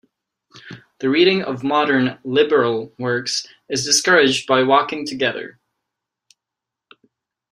The reading of modern "liberal" works is discouraged by Walking Together.